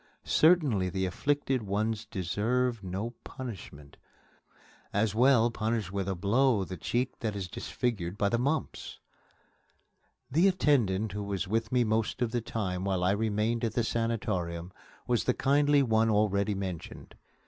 Certainly the afflicted one deserves no punishment. As well punish with a blow the cheek that is disfigured by the mumps. The attendant who was with me most of the time while I remained at the sanatorium was the kindly one already mentioned.